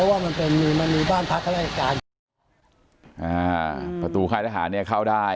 ให้๑๙๙๐มีอีก๒๔นธิบาท